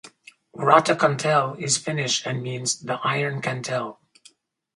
"Rautakantele" is Finnish and means "The Iron Kantele".